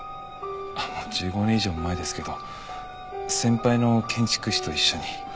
あっもう１５年以上も前ですけど先輩の建築士と一緒に。